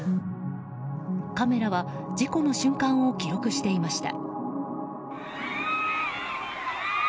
カメラは事故の瞬間を記録していました。